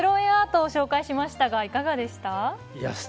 アートを紹介しましたがいかがでしたか。